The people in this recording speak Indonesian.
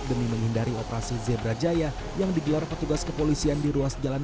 demi menghindari operasi zebra jaya yang digelar petugas kepolisian di ruas jalan